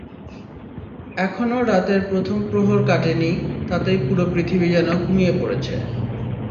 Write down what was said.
এখনো রাতের প্রথম প্রহর কাটেনি, তাতেই পুরো পৃথিবী যেন ঘুমিয়ে পড়েছে।